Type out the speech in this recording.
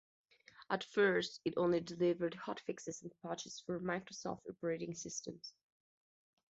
At first, it only delivered hotfixes and patches for Microsoft operating systems.